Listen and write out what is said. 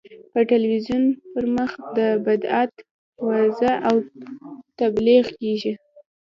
په تلویزیون پر مخ د بدعت وعظ او تبلیغ کېږي.